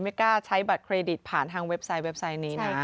ไม่กล้าใช้บัตรเครดิตผ่านทางเว็บไซต์เว็บไซต์นี้นะ